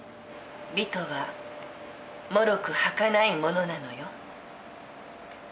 美とはもろくはかないものなのよ。